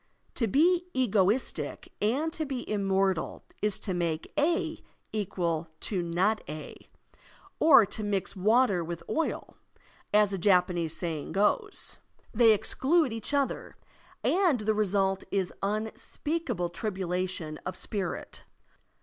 To be egoistic and to be immortal is to make "a" equal to "not a,*' or to mix water with oil, as a Japanese saying goes; they exclude each other, and the result is unspeakable tribulation of spirit.